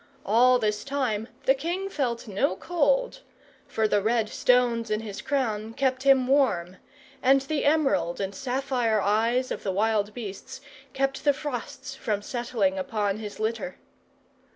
All this time the king felt no cold; for the red stones in his crown kept him warm, and the emerald and sapphire eyes of the wild beasts kept the frosts from settling upon his litter.